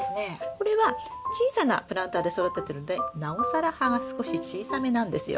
これは小さなプランターで育ててるんでなおさら葉が少し小さめなんですよ。